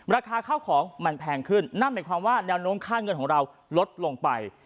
ราคาข้าวของมันแพงขึ้นนั่นหมายความว่าแนวโน้มค่าเงินของเราลดลงไป